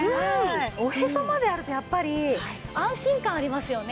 おへそまであるとやっぱり安心感ありますよね。